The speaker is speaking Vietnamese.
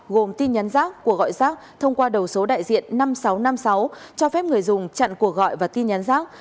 gồm tin nhắn giác của gọi giác thông qua đầu số đại diện năm nghìn sáu trăm năm mươi sáu cho phép người dùng chặn cuộc gọi và tin nhắn giác